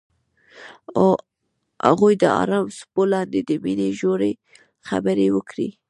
هغوی د آرام څپو لاندې د مینې ژورې خبرې وکړې.